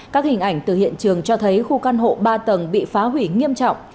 các hình ảnh từ hiện trường cho thấy khu căn hộ ba tầng bị phá hủy nghiêm trọng